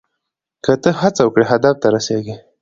که ته هڅه وکړې هدف ته رسیږې.